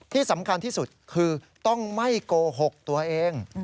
ที่สำคัญที่สุดคือต้องไม่โกหกตัวเอง